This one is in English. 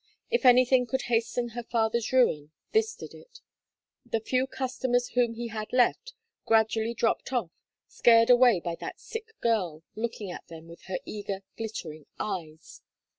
If anything could hasten her father's ruin, this did it: the few customers whom he had left, gradually dropped off, scared away by that sick girl, looking at them with her eager, glittering eyes.